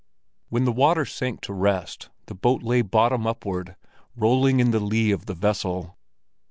When the water sank to rest, the boat lay bottom upward, rolling in the lee of the vessel.